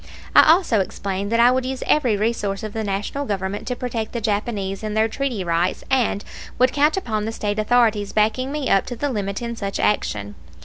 I also explained that I would use every resource of the National Government to protect the Japanese in their treaty rights, and would count upon the State authorities backing me up to the limit in such action.